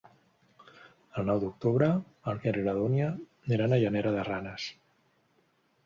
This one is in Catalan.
El nou d'octubre en Quer i na Dúnia iran a Llanera de Ranes.